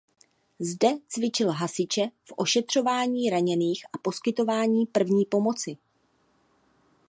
Zde cvičil hasiče v ošetřování raněných a poskytování první pomoci.